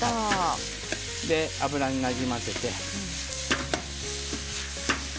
油になじませて。